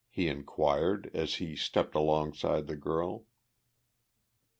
he inquired, as he stepped alongside the girl.